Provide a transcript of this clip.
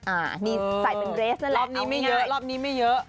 อ่านี่ใส่เป็นเรสนั่นแหละรอบนี้ไม่เยอะรอบนี้ไม่เยอะ